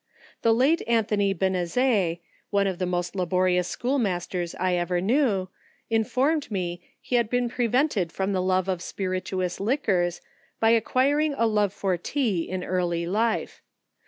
The late Anthony B< n n t, one of the most laborious school masters I ever knew, informed me, he had been 13 ON THE EFFECTS OF prevented from the love of spiritous liquors, by acquir ing a love for tea in early life.